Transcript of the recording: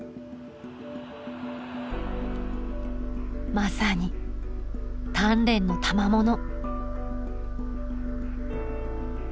まさに鍛錬のたまもの。